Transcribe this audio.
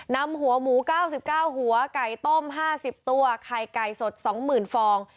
นำหัวหมู๙๙หัวไก่ต้ม๕๐ตัวไข่ไก่สด๒๐๐๐ฟอง